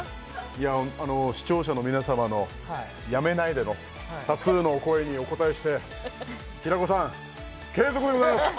いやあの視聴者の皆様のやめないでの多数のお声にお応えして平子さん継続でございます！